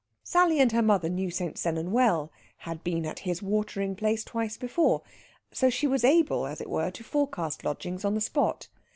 Sally and her mother knew St. Sennan well had been at his watering place twice before so she was able, as it were, to forecast lodgings on the spot.